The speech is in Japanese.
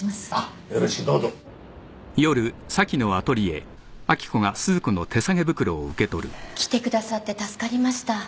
よろしくどうぞ。来てくださって助かりました。